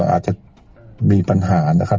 อาจจะมีปัญหานะครับ